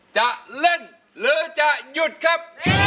จะเล่นหรือจะหยุดครับ